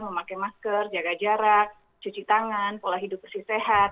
memakai masker jaga jarak cuci tangan pola hidup bersih sehat